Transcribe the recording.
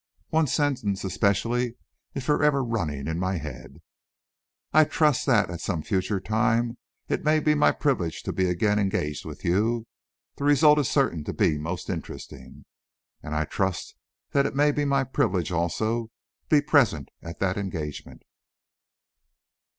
One sentence, especially, is forever running in my head: "I trust that, at some future time, it may be my privilege to be again engaged with you the result is certain to be most interesting." And I trust that it may be my privilege, also, to be present at that engagement!